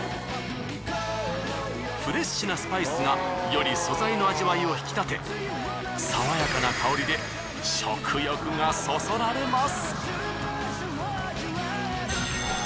フレッシュなスパイスがより素材の味わいを引き立て爽やかな香りで食欲がそそられます。